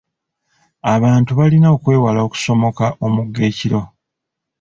Abantu balina okwewala okusomoka omugga ekiro.